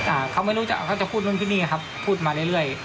อ่าเขาไม่รู้จักเขาจะพูดนู่นที่นี่ครับพูดมาเรื่อยเรื่อย